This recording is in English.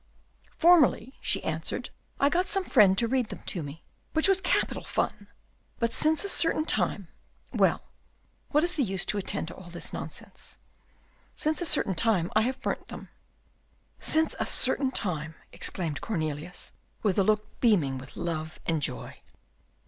"Formerly," she answered, "I got some friend to read them to me, which was capital fun, but since a certain time well, what use is it to attend to all this nonsense? since a certain time I have burnt them." "Since a certain time!" exclaimed Cornelius, with a look beaming with love and joy.